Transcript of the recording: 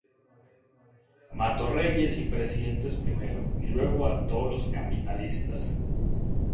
Mato reyes y presidentes primero y luego a todos los capitalistas".